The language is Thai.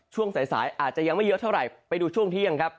ช่วงสายอาจจะยังไม่เยอะเท่าไหร่ไปดูช่วงเที่ยงครับ